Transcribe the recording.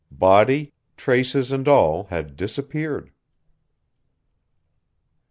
Body, traces and all had disappeared.